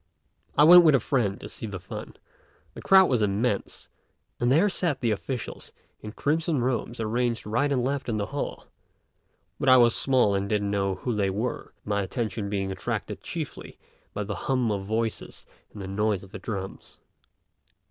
I went with a friend to see the fun; the crowd was immense, and there sat the officials in crimson robes arranged right and left in the hall; but I was small and didn't know who they were, my attention being attracted chiefly by the hum of voices and the noise of the drums.